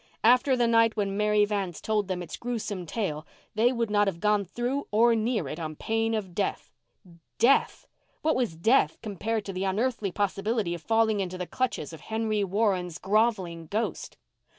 After the night when Mary Vance told them its gruesome tale they would not have gone through or near it on pain of death. Death! What was death compared to the unearthly possibility of falling into the clutches of Henry Warren's grovelling ghost?